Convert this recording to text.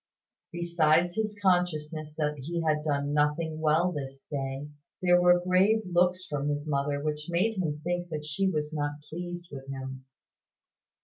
Besides his consciousness that he had done nothing well this day, there were grave looks from his mother which made him think that she was not pleased with him.